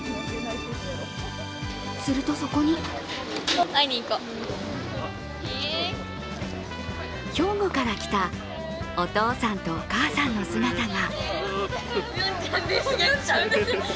するとそこに兵庫から来たお父さんとお母さんの姿が。